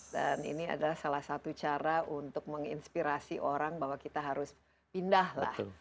dan ini adalah salah satu cara untuk menginspirasi orang bahwa kita harus pindah lah